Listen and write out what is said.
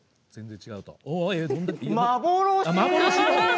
全然違うと。